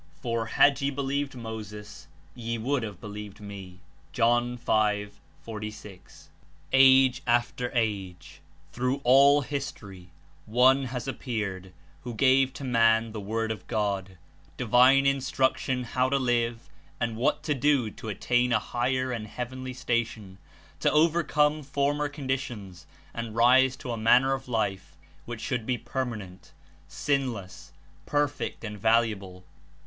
^^For had 19 ye believed Moses, ye would have believed me.^' (John 5. 46.) Age after age, through all history, One has ap peared, who gave to man the Word of God, divine Instruction how to live and what to do to attain a higher and heavenly station, to overcome former con ditions and rise to a manner of life which should be permanent, sinless, perfect and valuable.